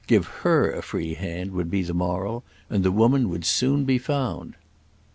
Give her a free hand, would be the moral, and the woman would soon be found.